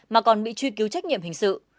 mà còn bị truy cứu trách nhiệm hình sự